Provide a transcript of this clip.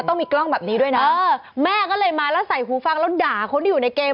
ต้องมีกล้องแบบนี้ด้วยนะเออแม่ก็เลยมาแล้วใส่หูฟังแล้วด่าคนที่อยู่ในเกม